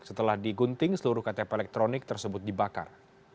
setelah digunting seluruh ktp elektronik tersebut dibakar